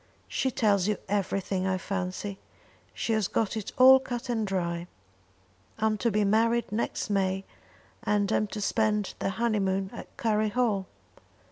"She tells you everything, I fancy. She has got it all cut and dry. I'm to be married next May, and am to spend the honeymoon at Curry Hall.